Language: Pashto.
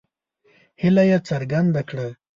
هیله یې څرګنده کړه.